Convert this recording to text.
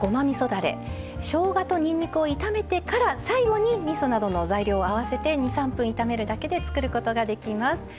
しょうがとにんにくを炒めてから最後にみそなどの材料を合わせて２３分炒めるだけで作ることができます。